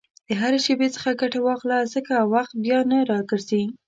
د هرې شېبې څخه ګټه واخله، ځکه وخت بیا نه راګرځي.